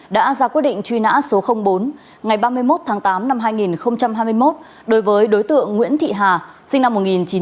đã ra quyết định truy nã số bốn ngày ba mươi một tháng tám năm hai nghìn hai mươi một đối với đối tượng nguyễn thị hà sinh năm một nghìn chín trăm tám mươi